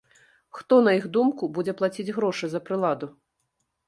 Хто, на іх думку, будзе плаціць грошы за прыладу?